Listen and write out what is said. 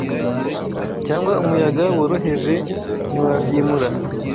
cyangwa umuyaga woroheje ntiwabyimura